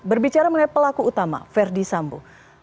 berbicara mengenai pelaku utama verdi sambo